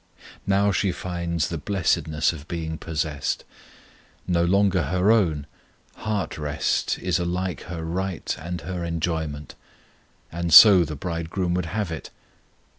Now she finds the blessedness of being possessed. No longer her own, heart rest is alike her right and her enjoyment; and so the Bridegroom would have it.